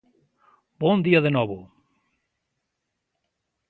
Bon día de novo.